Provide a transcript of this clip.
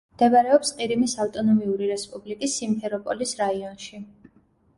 მდებარეობს ყირიმის ავტონომიური რესპუბლიკის სიმფეროპოლის რაიონში.